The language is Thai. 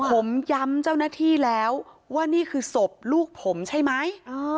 ผมย้ำเจ้าหน้าที่แล้วว่านี่คือศพลูกผมใช่ไหม